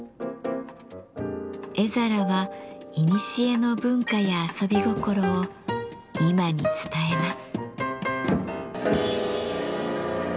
絵皿はいにしえの文化や遊び心を今に伝えます。